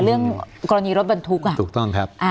เรื่องกรณีรถบรรทุกอ่ะถูกต้องครับ